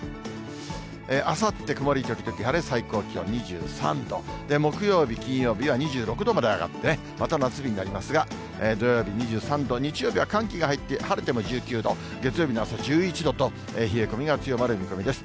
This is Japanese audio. あさって、曇り時々晴れ、最高気温２３度、木曜日、金曜日は２６度まで上がってね、また夏日になりますが、土曜日２３度、日曜日は寒気が入って、晴れても１９度、月曜日の朝１１度と、冷え込みが強まる見込みです。